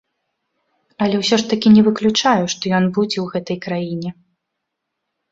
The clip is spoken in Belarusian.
Але ўсё ж такі не выключаю, што ён будзе ў гэтай краіне.